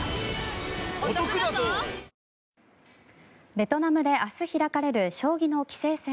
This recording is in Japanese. ベトナムで明日開かれる将棋の棋聖戦